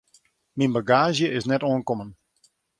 Myn bagaazje is net oankommen.